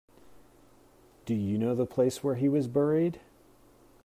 Do you know the place where he was buried?